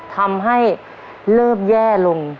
ทำให้เริ่มแย่ลง